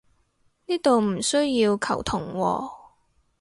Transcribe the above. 呢度唔需要球僮喎